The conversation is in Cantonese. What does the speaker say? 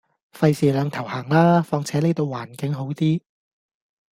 費事兩頭行啦，況且呢度環境好啲